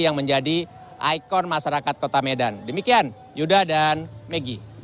yang menjadi ikon masyarakat kota medan demikian yuda dan megi